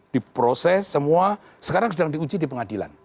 diproses semua sekarang sedang diuji di pengadilan